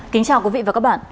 kính chào quý vị và các bạn